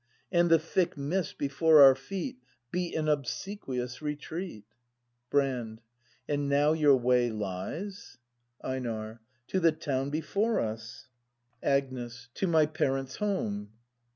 And the thick mist before our feet Beat an obsequious retreat. Brand. And now your way lies —? Einar. To the town Before us. 34 BRAND [act i Agnes. To my parents' home.